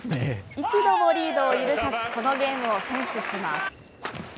一度もリードを許さず、このゲームを先取します。